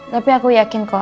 tapi aku yakin kok